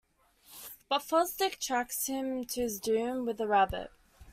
But Fosdick tracks him to his doom-with a rabbit.